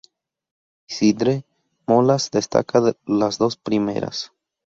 Isidre Molas destaca las dos primeras.